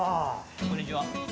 こんにちは。